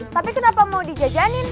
tapi kenapa mau dijajanin